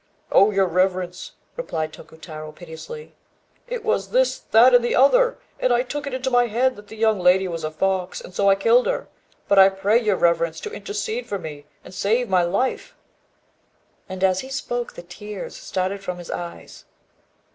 "Oh, your reverence," replied Tokutarô, piteously, "it was this, that, and the other: and I took it into my head that the young lady was a fox, and so I killed her. But I pray your reverence to intercede for me, and save my life;" and as he spoke, the tears started from his eyes.